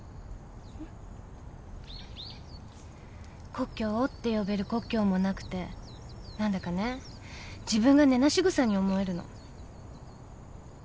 故郷って呼べる故郷もなくてなんだかね自分が根なし草に思えるの。